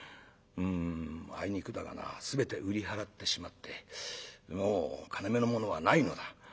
「うんあいにくだがな全て売り払ってしまってもう金めのものはないのだ」。